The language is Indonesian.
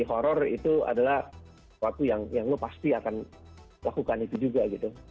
di horor itu adalah sesuatu yang lo pasti akan lakukan itu juga gitu